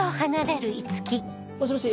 もしもし。